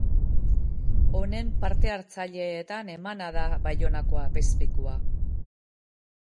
Honen partehartzaileetan emana da Baionako apezpikua.